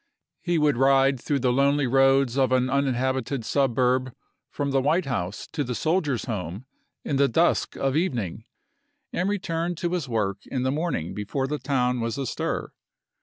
He would ride through the lonely roads of an uninhabited suburb from the White House to the Soldiers' Home in the dusk of evening, and return to his work in the morning before the town was astir.